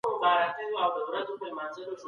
دا هغه لاره ده چي موږ ته هدف راښیي.